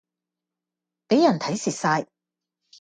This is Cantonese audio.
俾人睇蝕曬